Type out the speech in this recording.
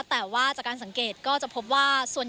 แต่ว่าจากการสังเกตก็จะพบว่า